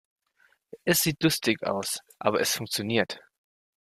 Es sieht lustig aus, aber es funktioniert.